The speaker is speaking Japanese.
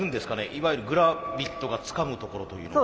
いわゆるグラビットがつかむところというのは。